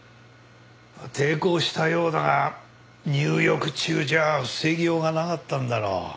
抵抗したようだが入浴中じゃ防ぎようがなかったんだろう。